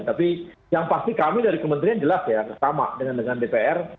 tapi yang pasti kami dari kementerian jelas ya sama dengan dpr